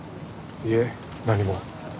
いえ何も。